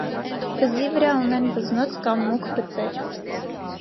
Վզի վրա ունեն «վզնոց» կամ մուգ բծեր։